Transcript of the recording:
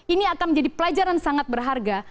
ini akan menjadi pelajaran sangat berharga